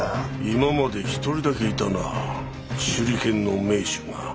今まで一人だけいたなぁ手裏剣の名手が。